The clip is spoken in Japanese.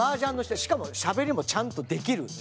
しかもしゃべりもちゃんとできる。